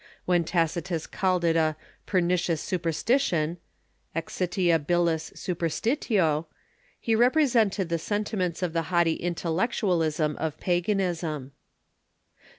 When Tacitus called it a "pernicious super stition " (exltiabilis superstitio), he represented the sentiments of the hauglity intellectualism of paganism.